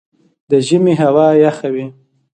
د ژمي هوا یخه وي